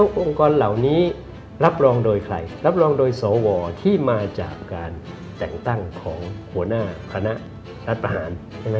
องค์กรเหล่านี้รับรองโดยใครรับรองโดยสวที่มาจากการแต่งตั้งของหัวหน้าคณะรัฐประหาร